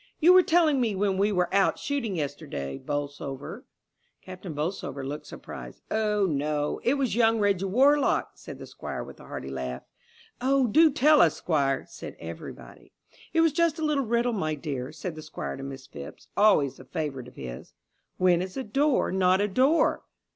"You were telling me when we were out shooting yesterday, Bolsover." Captain Bolsover looked surprised. "Ah, no, it was young Reggie Worlock," said the Squire with a hearty laugh. "Oh, do tell us, Squire," said everybody. "It was just a little riddle, my dear," said the Squire to Miss Phipps, always a favourite of his. "When is a door not a door?"